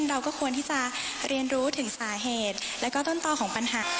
เราก็ควรที่จะเรียนรู้ถึงสาเหตุแล้วก็ต้นต่อของปัญหา